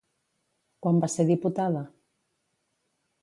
Quan va ser diputada?